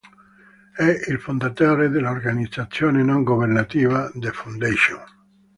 È il fondatore della organizzazione non governativa "The Foundation".